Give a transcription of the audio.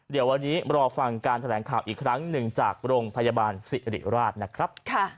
เดี๋ยววันนี้รอฟังการแถลงข่าวอีกครั้งหนึ่งจากโรงพยาบาลสิริราชนะครับ